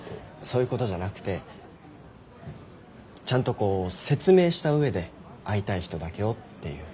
そういうことじゃなくてちゃんとこう説明した上で会いたい人だけをっていう。